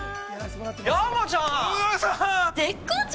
山ちゃん！